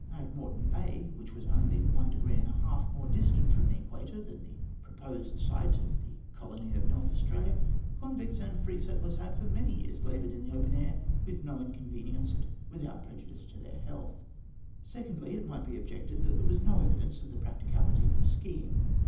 At Moreton Bay, which was only one degree and a half more distant from the Equator than the site of the proposed new colony of North Australia, convicts and free settlers had, for many years, laboured in the open air with no inconvenience and without prejudice to their health. Secondly, it might be objected that there was no evidence of the practicability of the scheme.